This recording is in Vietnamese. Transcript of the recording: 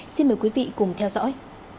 xin mời quý vị cùng theo dõi